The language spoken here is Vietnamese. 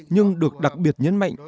nhưng được đặc biệt nhấn mạnh